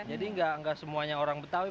nggak semuanya orang betawi